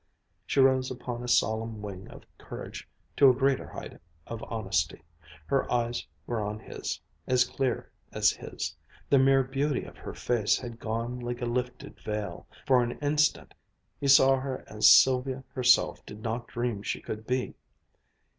She rose upon a solemn wing of courage to a greater height of honesty. Her eyes were on his, as clear as his. The mere beauty of her face had gone like a lifted veil. For a instant he saw her as Sylvia herself did not dream she could be.